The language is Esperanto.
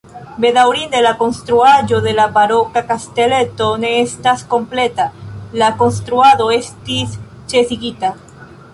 Bedaŭrinde la konstruaĵo de la baroka kasteleto ne estas kompleta, la konstruado estis ĉesigita.